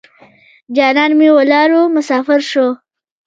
جانان مې ولاړو مسافر شو.